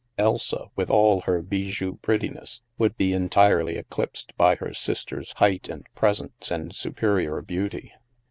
Elsa, with all her bijou prettiness, would be entirely eclipsed by her sister's height, and presence, and superior beauty.